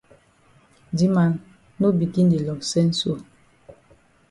Di man, no begin di loss sense so.